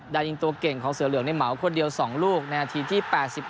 ได้ยิงตัวเก่งของเสือเหลืองในเหมาคนเดียว๒ลูกในนาทีที่๘๑